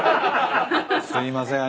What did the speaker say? すいません。